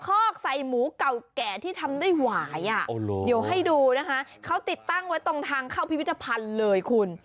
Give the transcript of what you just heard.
คอกใส่หมูเก่าแก่ที่ทำด้วยหวายเดี๋ยวให้ดูนะคะเขาติดตั้งไว้ตรงทางเข้าพิพิธภัณฑ์เลยคุณ